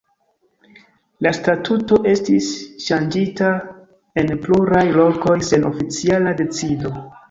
La statuto estis ŝanĝita en pluraj lokoj sen oficiala decido.